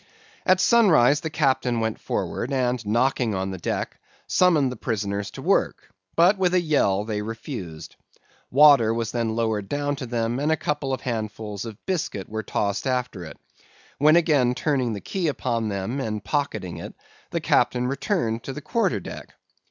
"At sunrise the Captain went forward, and knocking on the deck, summoned the prisoners to work; but with a yell they refused. Water was then lowered down to them, and a couple of handfuls of biscuit were tossed after it; when again turning the key upon them and pocketing it, the Captain returned to the quarter deck.